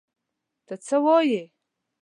څه وایې؟